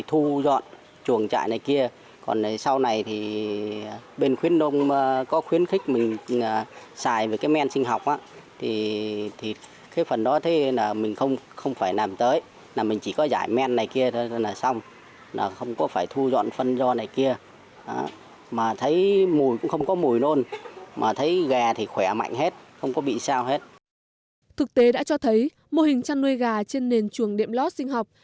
thực tế đã cho thấy mô hình chăn nuôi gà trên nền chuồng điện lót sinh học